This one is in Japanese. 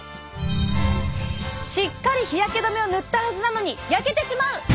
しっかり日焼け止めを塗ったはずなのに焼けてしまう！